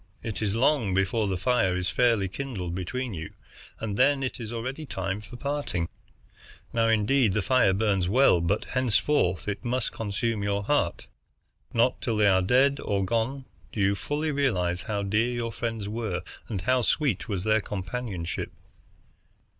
It is long before the fire is fairly kindled between you, and then it is already time for parting. Now, indeed, the fire burns well, but henceforth it must consume your heart. Not till they are dead or gone do you fully realize how dear your friends were and how sweet was their companionship.